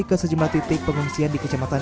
ke sejumlah titik pengungsian di kecamatan